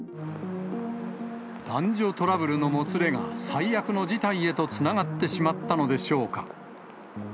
男女トラブルのもつれが、最悪の事態へとつながってしまったのでしょうか。